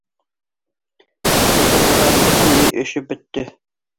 Әтеү ҡулдарым бөтөнләй өшөп бөттө.